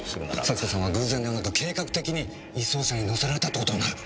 幸子さんは偶然ではなく計画的に移送車に乗せられたって事になる。